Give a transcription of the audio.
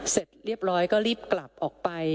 เสร็จเรียบร้อยก็รีบกลับออกไป